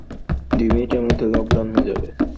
দুই মিনিটের মধ্যে লকডাউন হয়ে যাবে।